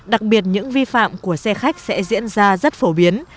đặc biệt những vi phạm của xe khách sẽ diễn ra rất phổ biến